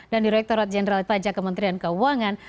dan direkturat jenderal pajak kementerian keuangan